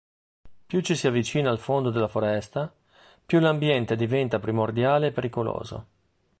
Più ci si avvicina al fondo della foresta, più l'ambiente diventa primordiale e pericoloso.